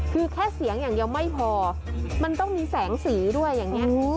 คือแค่เสียงอย่างเดียวไม่พอมันต้องมีแสงสีด้วยอย่างนี้